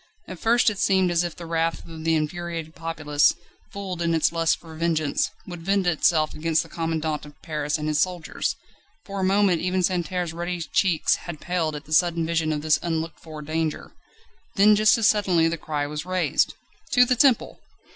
At first it seemed as if the wrath of the infuriated populace, fooled in its lust for vengeance, would vent itself against the commandant of Paris and his soldiers; for a moment even Santerre's ruddy cheeks had paled at the sudden vision of this unlooked for danger. Then just as suddenly the cry was raised. "To the Temple!"